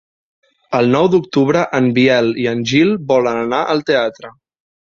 El nou d'octubre en Biel i en Gil volen anar al teatre.